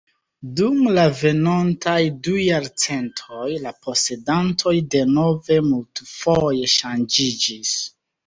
Dum la venontaj du jarcentoj la posedantoj denove multfoje ŝanĝiĝis.